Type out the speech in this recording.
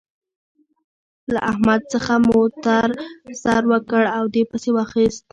له احمد څخه موتر سر وکړ او دې پسې واخيست.